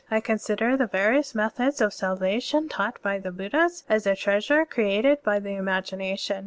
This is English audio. I consider the various methods of salvation taught by the Buddhas as a treasure created by the imagination.